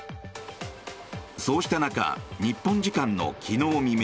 そうした中、日本時間の昨日未明